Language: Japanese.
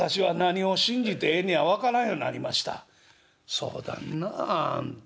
「そうだんなああんた。